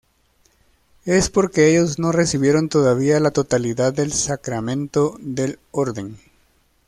Esto porque ellos no recibieron todavía la totalidad del sacramento del orden.